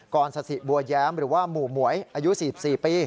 กรสถิบัวแย้มหรือว่าหมู่หมวยอายุ๔๔ปี